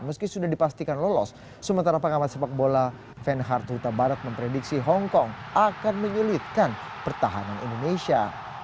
meski sudah dipastikan lolos sementara pengamat sepak bola fenhard huta barat memprediksi hongkong akan menyulitkan pertahanan indonesia